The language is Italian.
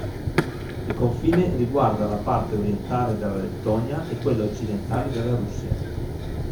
Il confine riguarda la parte orientale della Lettonia e quella occidentale della Russia.